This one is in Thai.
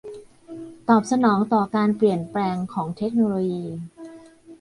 ตอบสนองต่อการเปลี่ยนแปลงของเทคโนโลยี